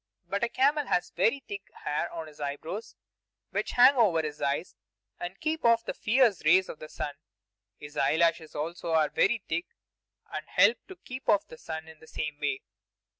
But a camel has very thick hair on his eyebrows, which hang over the eyes, and keep off the fierce rays of the sun. His eyelashes also are very thick, and help to keep off the sun in the same way.